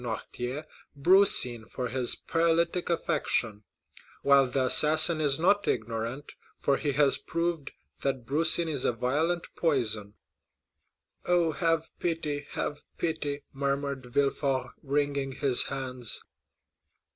Noirtier brucine for his paralytic affection, while the assassin is not ignorant, for he has proved that brucine is a violent poison." "Oh, have pity—have pity!" murmured Villefort, wringing his hands.